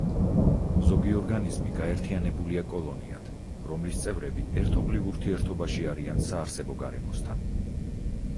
ზოგი ორგანიზმი გაერთიანებულია კოლონიად, რომლის წევრები ერთობლივ ურთიერთობაში არიან საარსებო გარემოსთან.